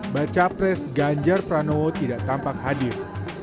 baca pres ganjar pranowo tidak tampak hadir